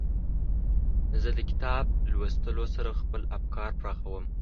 زه د کتاب لوستلو سره خپل افکار پراخوم.